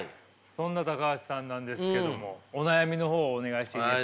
そんな橋さんなんですけどもお悩みの方お願いしていいですか？